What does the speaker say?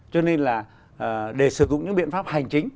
cho nên là để sử dụng những biện pháp hành chính